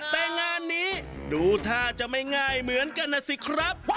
แต่งานนี้ดูท่าจะไม่ง่ายเหมือนกันนะสิครับ